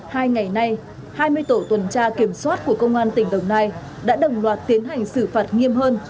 hai ngày nay hai mươi tổ tuần tra kiểm soát của công an tỉnh đồng nai đã đồng loạt tiến hành xử phạt nghiêm hơn